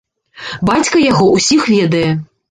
Бацька яго ўсіх ведае.